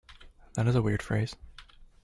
That is a weird phrase.